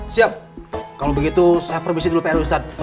siap kalau begitu saya permisi dulu pak rw ustadz